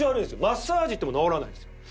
マッサージ行っても治らないんですよ。